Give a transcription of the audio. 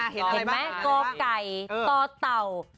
เห็นไหมกไก่ต่อเต่า